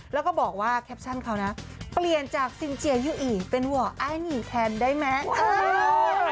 แล้วก็บอกว่าแคปชั่นเขานะเปลี่ยนจากซินเจียยูอีเป็นว่ออ้ายหนีแทนได้ไหม